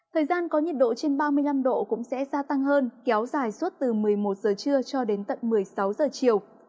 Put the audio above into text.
thời gian có nhiệt độ trên ba mươi năm độ cũng sẽ gia tăng hơn kéo dài suốt từ một mươi một giờ trưa cho đến tận một mươi sáu giờ chiều